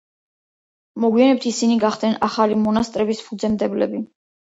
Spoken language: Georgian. მოგვიანებით ისინი გახდნენ ახალი მონასტრების ფუძემდებლები.